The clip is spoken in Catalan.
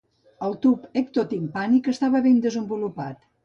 El tub ectotimpànic estava ben desenvolupat.